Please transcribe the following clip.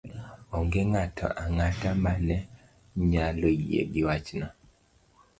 Onge ng'ato ang'ata ma ne nyalo yie gi wachno